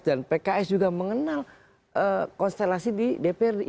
dan pks juga mengenal konstelasi di dprd